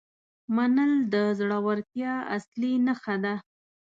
منل د زړورتیا اصلي نښه ده.